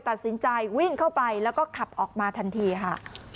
ตัดสินใจวิ่งเข้าไปแล้วก็ขับออกมาทันทีค่ะ